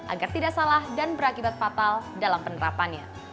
agar tidak salah dan berakibat fatal dalam penerapannya